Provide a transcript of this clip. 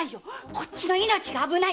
こっちの命が危ないんだよ。